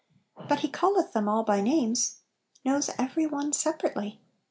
But "He calleth them all by names,' 1 knows every one separately.